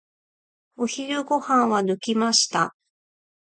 お昼ご飯は抜きました。